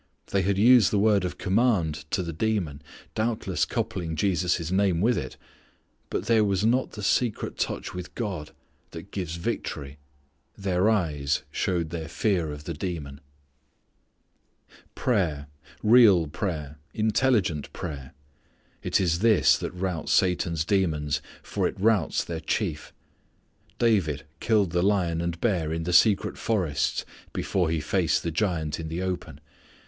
They had used the word of command to the demon, doubtless coupling Jesus' name with it. But there was not the secret touch with God that gives victory. Their eyes showed their fear of the demon. Prayer, real prayer, intelligent prayer, it is this that routs Satan's demons, for it routs their chief. David killed the lion and bear in the secret forests before he faced the giant in the open.